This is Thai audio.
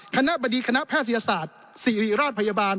คณะบดีคณะแพทยศาสตร์ศิริราชพยาบาล